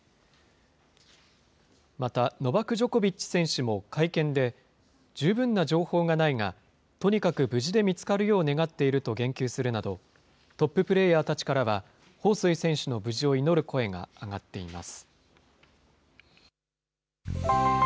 またノバク・ジョコビッチ選手も会見で、十分な情報がないが、とにかく無事で見つかるよう願っていると言及するなど、トッププレーヤーたちからは彭帥選手の無事を祈る声が上がっています。